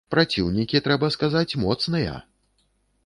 Праціўнікі, трэба сказаць, моцныя!